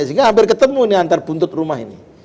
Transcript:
sehingga hampir ketemu antar buntut rumah ini